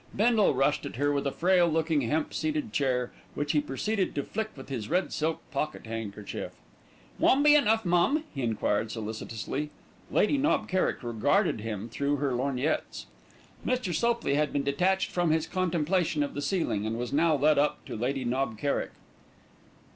Bindle rushed at her with a frail looking hemp seated chair, which he proceeded to flick with his red silk pocket handkerchief. "One be enough, mum?" he enquired solicitously. Lady Knob Kerrick regarded him through her lorgnettes. Mr. Sopley had been detached from his contemplation of the ceiling, and was now led up to Lady Knob Kerrick.